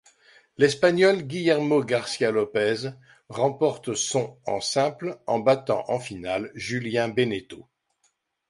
L'Espagnol Guillermo García-López remporte son en simple en battant en finale Julien Benneteau.